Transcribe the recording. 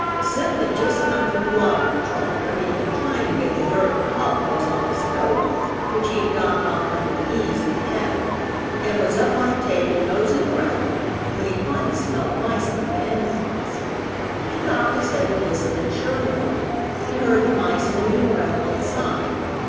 Zip had just come from the watering trough where he had been trying to get the dirt and cobwebs off his coat which he had gotten on under the eaves in the attic, and was up on a table nosing around when he thought he smelt mice in a bandbox. He cocked his head to listen and, sure enough, he heard the mice moving around inside.